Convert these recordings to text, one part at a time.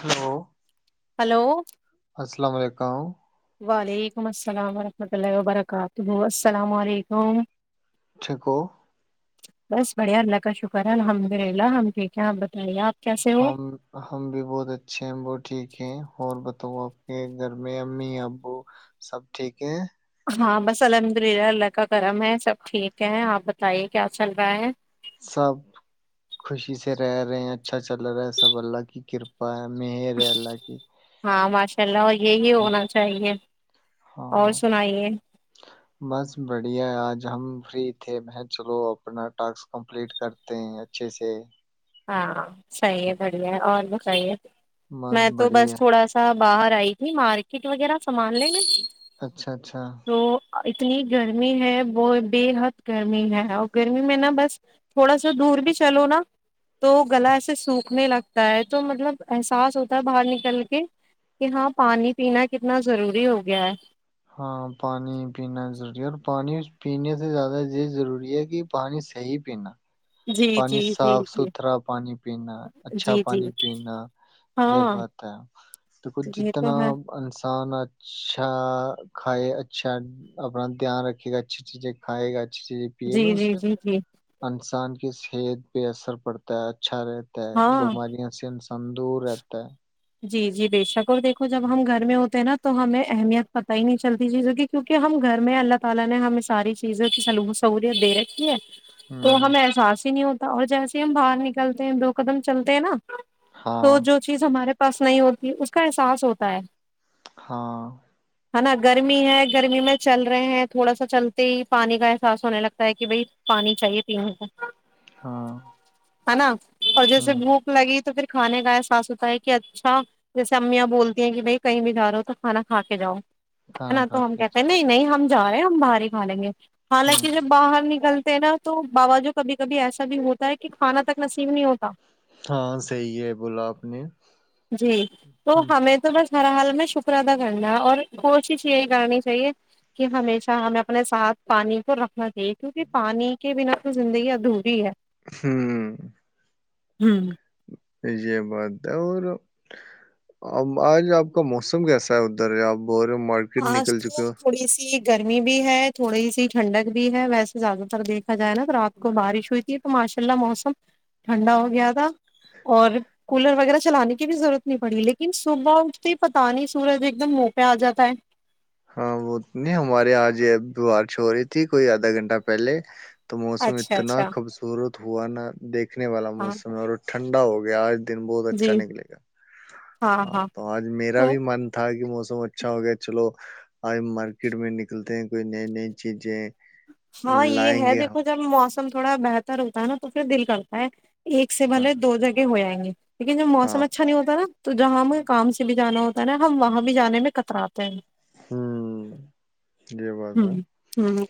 hello hello السلام و علیکم وعلیکم السلام ورحمۃ اللہ وبرکاتہ السلام و علیکم ٹھیک ہو بس بڑھیا اللہ کا شکر ہے الحمد للہ ہم ٹھیک ہیں آپ بتائیے آپ کیسے ہو ہم ہم بھی بہت اچھے ہیں ٹھیک ہیں اور بتاو تو آپ کے گھر میں امی ابو سب ٹھیک ہے ہاں بس الحمد للہ اللہ کا کرم ہے سب ٹھیک ہے آپ بتائیے کیا چل رہا ہے سب خوشی سے رہ رہے ہیں اچھا چل رہا ہے سب اللہ کی کرپا ہے مہر ہے اللہ کی ماشاء اللہ یہی ہنا چاہیے اور ہاں سنائیے بس بڑھیا ہے آج ہم فری تھے میں چلو اپنا ٹاسک کمپلیٹ کرتے ہیں اچھے سے ہاں صحیح ہے ہوں، بڑھیا ہے اور بھی صحیح ہے بس میں تو بس بڑھیا تھوڑا سا باہر آئی تھی مارکیٹ وغیرہ سامان لنے اچھا اچھا اتنی گرمی ہے وہ بے حد گرمی ہے اور گرمی میں نا بس تھوڑا سا دور بھی چلو نا تو گلا ایسے سوکھنے لگتا ہے تو مطلب احساس ہوتا ہے باہر نکل کے کہ ہاں پانی پینا کتنا ضروری ہو گیا ہے ہاں پانی پینا ضروری ہے اور پانی پینے سے زیادہ یہ ضروری ہے کہ پانی صحی پینا جی پانی جی جی صاف جی ستھرا پانی پینا اچھا جی جی پانی پینا یہ ہاں بات ہے دیکھو یہ تو جتنا ہے ان انسان اچھا کھائے اچھا اپنا دھیان رکھے گا اچھی چیزیں کھائے گا چیز پیے جی گا اس جی سے جی جی انسان کی صحت پہ اثر پڑتا ہے اچھا رہتا ہے ہاں بیمارییا سے انسان دور رہتا ہے جی جی بے شک اور دیکھو جب ہم گھر میں ہوتے ہیں نا تو ہمیں اہمیت پتہ ہی نہیں چلتی چیزوں کی کیونوںہ ہم گھر میں اللہ تعالی نے ہمیں ساری چیزوں کی سہلیت دے رکھی ہے تو ہوں ہمیں احساس ہی نہیں ہوتا اور جیس ہی ہم باہر نکلتے ہیں دو قدم چلتے ہیں نا تو ہاں جو چیز ہمارے پس نہیں ہوتی اس کا احساس ہوتا ہے ہاں ہے نا گرمی ہے گرمی میں چل رہے ہیں تھوڑا سا چلتے ہی پانی کا احساس ہونے لگتا ہے کہ بھائی پانی چاہیے پینے کا ہاں ہے نا اور جیسے ہوں بھوک لگی تو پھر کھانے کاایا ساس ستا ایک کہ اچھا جیسے امیاں بولتی ہیں کہ بھائی کہیں بھی جا رہا ہو تو کھانا کھا کے جاؤ کھانا نا کھا تو ہم کے اچھا کہتے نہیں نہیں ہم جا رہے ہم باہ ہی کا لیں گے ہوں حالانکہ جو باہر نکل نا تو باو جو کبھی کبھی ایسا بھی ہوتا ہے کہ کھانا تک نصیب نہیں ہوتا ہاں صحی ہے بولا آپ نے جی تو ہم، ہمیں تو بس ہر حال میں شکر ادا کرنا ہے اور کوشش یہی کرنی چاہیے کہ ہمیشہ ہمیں اپنے ساتھ پانی کو رکھنا چاہیے کیونکہ پانی کے بنا تو زندگی ادھوری ہے ہوں ہوں یہ بات ہے اور اب آج آپ کا موسم کیسا ہے ادھر اب ب رہ مارکیٹ آج نکل چکے تو ہو تھوڑی سی گرمی بھی ہے تھوڑی سی ٹھنڈک بھی ہے ویسے زیادہ تر دیکھا جائے نا تو رات کو بارش ہوئی تھی تو ماشاء اللہ موسم ٹھنڈا ہو گیا تھا اور کولر وغیرہ چلانے کی بھی ضرورت نہیں پڑی لیکن صبح اٹھتے ہی پت نہیں سورج ایک دم مو پہ آ جاتا ہے ہاں وہ نہیں ہمارے یہاںج ا بارش ہو رہی تھی کوئی آدھا گھنٹہ پہلے تو موسم اچھا اتنا اچھا خوبصورت دھو نہا دیک دیککھنے والا ہاں موسم اور ٹھنڈا ہو گیاج دن بہت جی اچھا نکلے گا ہاں تو آج میرا تو بھی من تھا کہ م س اچھا ہو گیا چلو آج مارکیٹ میں نکلتے ہیں کوئی نئی نئی چیزیں ہاں یہ لائیں ہے گے دیکھو ہم جب مو تھوڑا بہتر ہوتا ہے نا تو پھر دل کرتا ہے ایک سے ملے دو جگہ ہو جائے گ جی لیکن جو ہاں موسم اچھا نہیں ہوتا نا تو جہاں ہمیں کام سے بھی جانا ہوتا ہے نا ہم وہاں بھی جانے میں کتراتے ہیں ہوں یہ بات ہے ہوں ہوں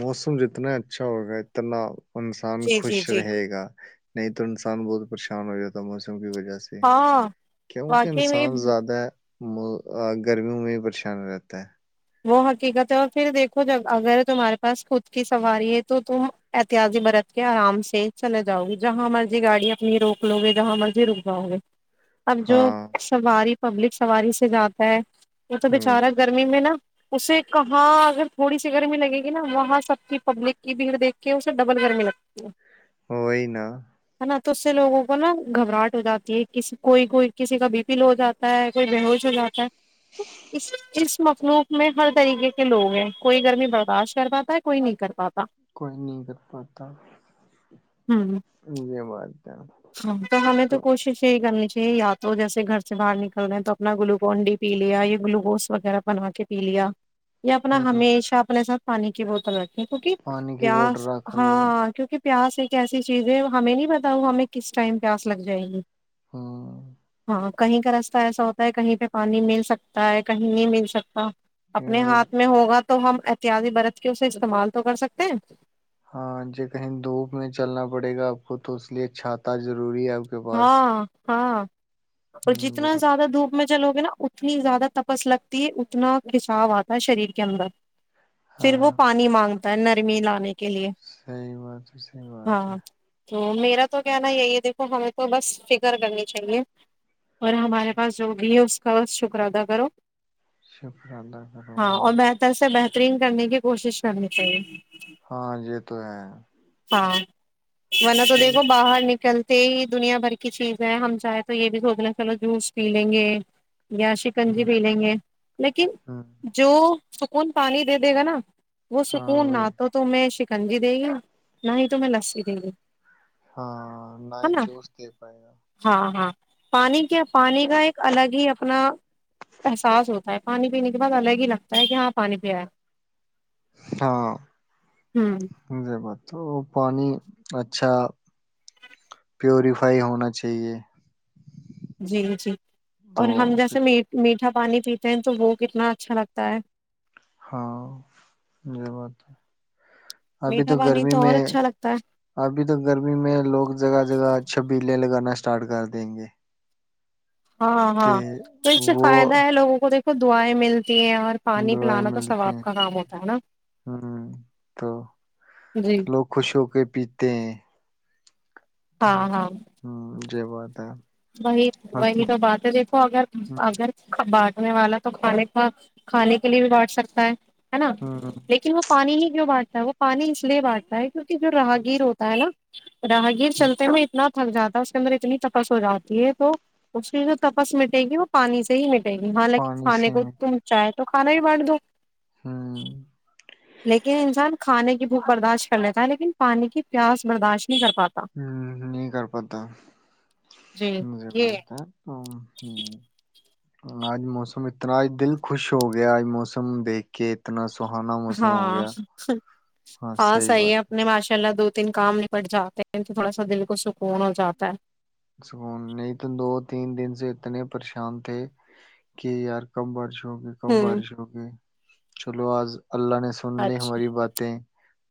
موسم جتنا اچھا ہوگا اتنا انسان جی جی خوش جی رہے گا نہیں تو انسان بت پریشان ہو جاتا تھا موسم کی وجہ ہاں کیونکہ واقعی میں انسان زیادہ م گرمی ہو میں پ ان رہتا ہے وہ حقیقت ہے اور پھر دیکھو ج اگر تمہارے پاس خود کی سواری ہے تو تم احتیاتی برت کے آرام سے چلے جاؤ گی جہاں مرضی گاڑی اپنی روک لو گے جہاں مرضی رک جاؤ گے اب جو ہاں سواری پبلک سواری سے جاتا ہے وہ تو بے ہوں بیچارہ ہے گرمی میں نا اسے کہاں اگر تھوڑی سی گرمی لگے گی نا وہاں سب کی پبلک کی بھیڑ دیکھ کے اسے ڈبل گرمی لگتی ہے ہوئی نا نہ تو اس سے لوگوں کو نا گھبراہٹ ہو جاتی ہے کسی کوئی کوئی کسی کا بی پیل ہو جاتا ہے کوئی بیہوش ہو جاتا ہے تو اس اس مسئلہ میں ہر طریقے کے لوگ ہیں کوئی گرمی برداشت کر پاتا ہے کوئی نہیں کر پاتا کوئی نہیں کر پاتا ہوں یہ بات ہے ہاں تو ہمیں تو کوشش یہی کرنی چاہیے یا تو جیسے گھر سے باہر نکل رہے ہیں تو اپنا گلوکون ڈی پی لیا یہیا گلوکوز وغیرہ بنا کے پی لیا یہ اپنا ہوں ہمیشہ اپنے ساتھ پانی کی بوتل رکھیں کیونکہ پانی کی بوٹل پیاس رکھ لو ہاں کیونکہ پیاس ایک ا یسی چیزیں ہے ہمیں نہیں بتاؤ ہمیں کس ٹائم پیاس لگ جائےیں گی ہاں ہاں کہیں کا رستہ ایسا ہوتا ہے کہیں پہ پانی مل سکتا ہے کہیں نہیں مل سکتا اپنے اور ہاتھ میں ہوگا تو ہم احتیاطی برت کے اسے استعمال تو کر سکتے ہیں ہاں جی کہیں دھوپ میں چلنا پڑے گا آپ کو تو اس لیے چھاتا ضرور ضروری ہے آپ کے پاس ہاں ہاں اور ہوں یہ جتنا بات- زیادہ دپ ج لوگے نا اتنی زیادہ تپس لگتی ہے اتنا کچاو آتا ہے شریر کے اندر پھر وہ پانی مانگتا تر م لان صحی بات ہے صحیح بات ہے تو میرا تو کہنا ہے یہی دیکو ہمیں کو بس فکر کرنی چاہیے اور ہمارے پاس جو بھی ہے اس کا بس شکر ادا کرو شکر اللہ کروحاں ن کرنے کی کوشش کرنی چاہیے ہاں یہ تو ہے نہ تو دیکھو باہر نکل کہ دنیا بھر کی چیز ہے ہم چاہیں تو یہ بھی سوچنا چلو جوس پی لیں گے یا شکنجی بھی لیں گے لیکن ہوں جو سکون پانی دے دے گا نا وہ ہاں سکون وہی نہ تو تو میں کنجی دے گی نہ ہی تو میں لسی دے گی ہاں ہے نہیں نا جوس کہ پائے گا ہاں ہاں پانی پانی کا ایک الگ ہی اپنا احساس ہوتا ہے پانی پینے کے بعد الگ ہی لگتا ہے کہ ہاں پانی پئے ہاں بات تو پانی اچھا پیوریفائی ہونا چاہیے جی جی تو اور ہم بھی، جیسے می میٹھا پانی پیتے ہیں تو وہ کتنا اچھا لگتا ہے ہاں یہ بات ہے ابھی تو میٹھا پانی گرمی اور میں اچھا لگتا ہے ابھی تو گرمی میں لوگ جگہ جگہ چھبی پلے لگانا اسٹارٹ کر دیں گے ہاں تے ہاں تو اس سے فائدہ ہے لوگوں کو دیک کو دعائیں ملتی ہیں اور پانی دعائیں پلانا تو ملتی ثواب ہیں کا کام ہوتا ہے نا ہ تو جی لوگ خوش ہو کے پیتے تین ہاں- ہاں ج ب تھا وہی وہی تو بات ہے دیکھو اگر ہوں اگر [unintelligible] نے والا تو کھانے کا کھانے کے لیے بھی بیٹھ سکتا ہے [unintelligible] ہے نا ہوں لیکن وہ پانی ہی کیوں بان [unintelligible] وہ پانی اس لیے بانٹتا ہے [unintelligible] کیونکہ جو راہگیر ہوتا ہے نا [unintelligible] ج [unintelligible] راہ گیر ہوں چلتے ہیں اتنا [unintelligible] تھک جا اس کے اندر اتنی تپس ہو جاتی یہ تو اس کی جو تپس مٹے گی وہ پانی سے ہی م [unintelligible] گی حالانکہ پانی کھانے سے کو میں تو چاہ تو کھانا ہی بانٹ دو ہوں [unintelligible] لیکن انسان کھانے کی [unintelligible] بھوک برداشت کر لیتا ہے لیکن پانی کی پیاس برداشت [unintelligible] ہوں نہیں کر پتاہ [unintelligible] جی بولتا ایک دم ہ [unintelligible] آج موسم اتناج دل خوش ہو گیا آج موسم دیکھ کے اتنا [unintelligible] موسم ہو ہاں گیا ہاں صحیح ہے اپنے ماشاء اللہ دو [unintelligible] تن کام نپٹ جاتے ہیں تو تھوڑا سا دل کو سکون ہو جاتا ہے [unintelligible] سکون نہیں تو دو تین دن سے اتنے پریشان تھے کہ یار کب بڑ چک گ ہے کم ہوں بارش ہوگی چلو آج اللہ نے سن لی اچھا ہماری باتیں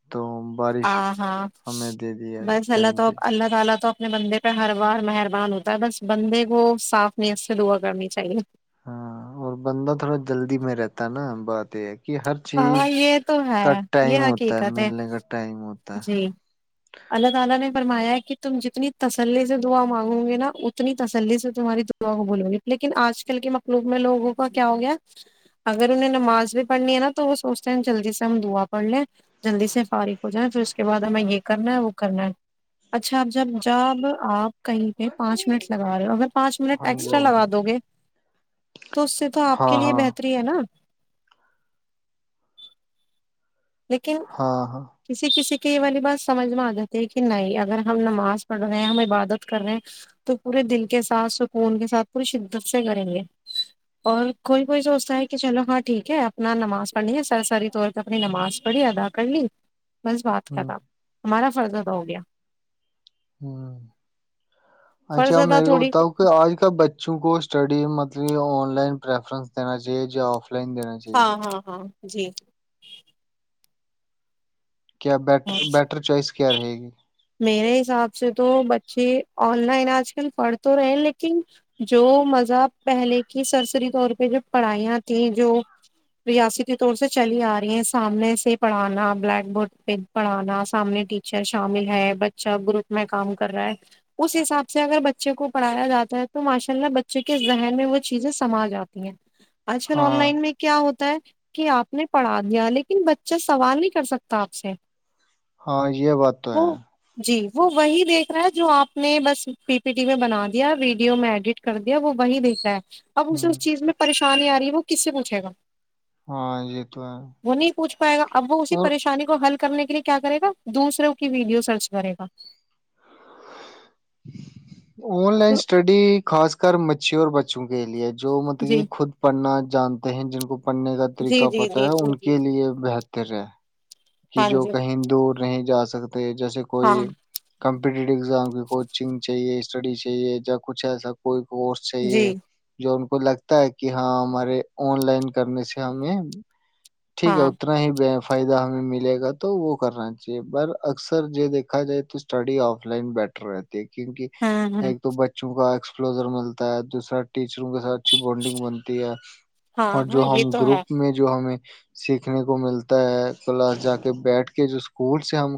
[unintelligible] [unintelligible] بارش ہمیں دے دیا ٹائم پہ اپنے بندے پہ ہر بار مہربان ہوتا ہے بس بندے کو صاف نیت سے دعا کرنی چاہیے [unintelligible] ہاں اور بندہ تھوڑا جلدی میں رہتا ہے نا بات ایک [unintelligible] ٹائم ہوتا ہے ملنے کا ٹائم ہوتا ہے [unintelligible] فرمایا کہ تم جتنی تسلی سے دعا مانگو گے نا اتنی تسلی سے تمہاری دعا کو بولو گی لیکن آج کل کے مقلوب میں لوگوں کا کیا ہو گیا اگر انہیں نماز بھی پڑھنی ہے نا [unintelligible] تو وہ سوچتے ہیں جلدی سے ہم دعا پڑھ لیں جلدی سے فارغ ہو جائیں پھر اس کے بعد ہمیں یہ کرنا ہے وہ کرنا ہے اچھا اب جب جب آپ [unintelligible] کہیں کہیں پانچ منٹ لگا رہے ہو اگر پانچ منٹ ہاں جی ایکسٹرا ہاں جی لگا دو گے تو اس سے تو آپ ہاں کے لیے ہاں بہتری ہے نا [unintelligible] لیکن ہاں ہاں کسی کسی کہ یہ والی بات سمجھ میں آ جاتی ہے کہ نہیں اگر ہم نماز پڑھ رہے ہیں ہم عبادت کر رہے ہیں تو پورے دل کے ساتھ سکون کے ساتھ پوری شدت سے کریں گے اور کوئی کوئی سوچتا ہے کہ چلو ہاں ٹھیک ہے اپنا نماز [unintelligible] پڑنی ہے سر ساری طور پ اپنی نماز [unintelligible] بڑیادا کلی [unintelligible] بس بات ہوں کرا ہمارا [unintelligible] فرض زیادہ ہو گیا [unintelligible] ہ اچھا فرض ادا میرے کو تھوڑی بتاؤ کہ آج کل بچوں کو اسٹڈی مطلب [unintelligible] آن لائن پرریفرنس دین چاہیے ج آف [unintelligible] لائن دینا چاہیے ہاں [unintelligible] ہاں ہاں جی [unintelligible] کیا بیٹر ہاں، بیٹر چوائس [unintelligible] کیا رہے گی [unintelligible] میرے حساب سے تو بچے آن لائن آج کل پڑھ تو رہے لیکن جو مذہب پہلے کی سرسری طور پہ جو پڑھائیاں تھیں جو ریاستی طور سے چلی آ رہی ہیں سامنے سے پڑھانا بلیک بورڈ پہ پڑھانا سامنے ٹیچر شامل [unintelligible] ہے بچہ گروپ میں کام کر رہا ہے اس حساب سے اگر بچے کو پڑھایا جاتا ہے تو ماشاء اللہ بچے کے ذہن میں وہ چیزیں سما جاتی ہیں آج کل آن ہاں لائن میں کیا ہوتا ہے کہ آپ نے پڑھا دیا لیکن بچہ سوال نہیں کر سکتا آپ سے [unintelligible] ہاں یہ بات تو ہے وہ جی وہ وہی دیکھ رہا ہے جو آپ نے بس پی پی ٹی میں بنا دیا ویڈیو میں ایڈٹ کر دیا وہ وہی دیکھ رہا ہے [unintelligible] اب ہ اسے اس چیز میں پریش کانی آ رہی ہے وہ کس سے پوچے گا [unintelligible] ہاں یہ تو ہے وہ نہیں پوچھ پائے گا اب وہ اسی اور پریشانی کو ہل [unintelligible] کرنے کے لیے کیا کرے گا دوسروں کی ویڈیو سر [unintelligible] ک کرے گا [unintelligible] ہ [inaudible] [unintelligible] آن لائن تو اسٹڈی خاص [unintelligible] کر مچور بچوں کے لیے [unintelligible] جو مطلب جی کی خود پڑھنا [unintelligible] جانتے ہیں جن کو [unintelligible] پڑنے کا جی طریقہ جی پتا جی ہے جی ان جی کے جی لیے بہتر ہے [unintelligible] کہ ہاں جو جی کہی دور رہ [unintelligible] نہیں جا ستا [unintelligible] [unintelligible] جیسے کوئی ہاں کمپٹیٹیو ایگزام کی کوچنگ چاہیے اس [unintelligible] اسڈی چاہیے یا کچھ ایسا کوئی [unintelligible] کس جی چاہیے جو [unintelligible] کو لگتا ہے کہ ہاں ہمارے آن لائن کرنے سے ہمیں [unintelligible] ٹھیک ہے ہاں اتنا ہی ب [unintelligible] فائدہ ہمیں مل [unintelligible] لے گا تو وہ کرنا چاہیے پر اکثر یہ دیکھا جائے تو اسٹڈی آف لائن بیٹر رہتی [unintelligible] کیونکہ ہاں ہاں ایک تو بچوں کا [unintelligible] فلوزر ملتا ہے دوسرا ٹیچروں کے ساتھ اچھی بانڈنگ بنتی ہے ہاں اور جو ہاں یہ ہم تو ہے گروپ میں جو ہمیں سیکھنے کو ملتا ہے کلاس جا بیٹھ کے جو اسکول سے ہم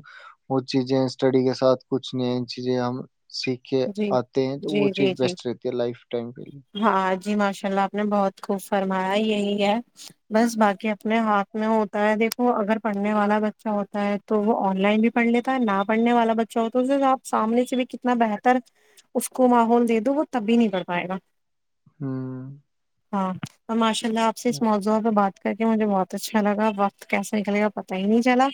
وہ چیزیں اسٹڈی کے ساتھ کچھ نئی چیزیں ہم سیکھ کے جی آتے ہیں تو وہ جی چیز جی جی بیسٹ رہتی ہے لائف ٹائم کے لیے ہاں جی ماشاء اللہ آپ نے بہت خوب فرمایا یہی ہے بس باقی اپنے ہاتھ میں ہوتا ہے دیکھو اگر پڑھنے والا بچہ ہوتا ہے تو وہ آن لائن بھی پڑھ لیتا ہے نہ پڑھنے والا بچہ ہوتا اس آپ سامنے سے بھی کتنا بہتر ر اس کو ماحول دے دو وہ تب بھی نہیں کر پائے گا ہاں اش اللہ آ سے اس موعہ بات کر کے مجھے بہت اچھا لگا وقت کیسے نکلے گا پت ہی نہیں چلا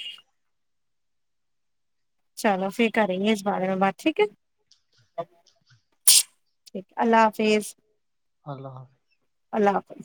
چلو پھر کریں گے اس بارے میں بات ٹھیک ہے ٹھیک اللہ حافظ اللہ حافظ اللہ حافظ